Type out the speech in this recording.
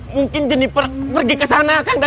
mungkin jenipert pergi ke sana